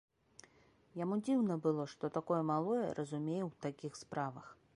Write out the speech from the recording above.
Яму дзіўна было, што такое малое разумее ў такіх справах.